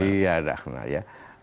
iya tidak kenal ya